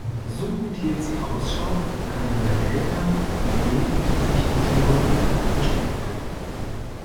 Suchend hielt sie Ausschau nach einem Behälter, in dem sich die Teebeutel verstecken könnten.